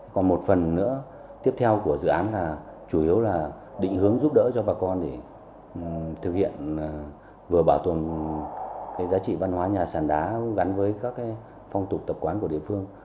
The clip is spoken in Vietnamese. còn một phần nữa tiếp theo của dự án là chủ yếu là định hướng giúp đỡ cho bà con để thực hiện vừa bảo tồn giá trị văn hóa nhà sàn đá gắn với các phong tục tập quán của địa phương